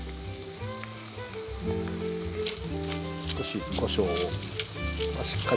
少しこしょうをしっかり。